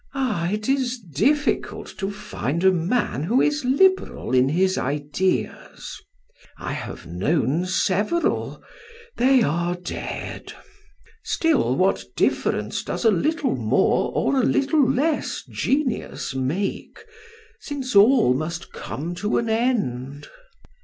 Ah, it is difficult to find a man who is liberal in his ideas! I have known several, they are dead. Still, what difference does a little more or a little less genius make, since all must come to an end?"